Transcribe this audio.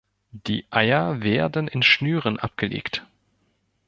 Die Eier werden in Schnüren abgelegt.